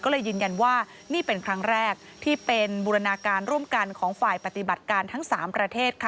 ก็เลยยินยันว่านี่เป็นครั้งแรกที่เป็นบุรณาการร่วมการ